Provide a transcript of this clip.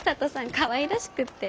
かわいらしくって。